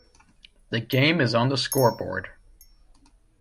The game is on the scoreboard.